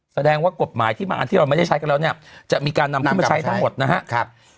แสดงว่ากฎหมายที่บางอันที่เราไม่ได้ใช้กันแล้วเนี่ยจะมีการนำขึ้นมาใช้ทั้งหมดนะครับ